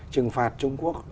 trừng phạt trung quốc